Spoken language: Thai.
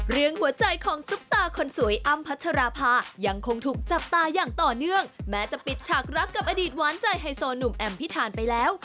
หัวใจของซุปตาคนสวยอ้ำพัชราภายังคงถูกจับตาอย่างต่อเนื่องแม้จะปิดฉากรักกับอดีตหวานใจไฮโซหนุ่มแอมพิธานไปแล้ว